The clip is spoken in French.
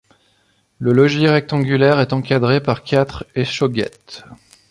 Le logis rectangulaire est encadré par quatre échauguettes.